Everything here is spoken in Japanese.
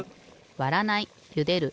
わらないゆでる